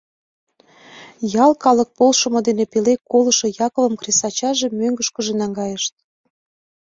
Ял калык полшымо дене пеле колышо Яковым кресачаже мӧҥгышкыжӧ наҥгайыш.